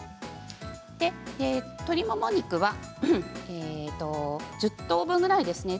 鶏もも肉は１０等分ぐらいですね。